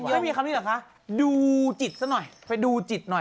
ไม่มีคำนี้เหรอคะดูจิตซะหน่อยไปดูจิตหน่อย